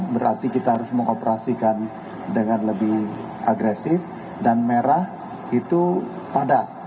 berarti kita harus mengoperasikan dengan lebih agresif dan merah itu padat